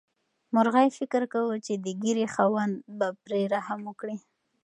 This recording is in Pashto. مرغۍ فکر کاوه چې د ږیرې خاوند به پرې رحم وکړي.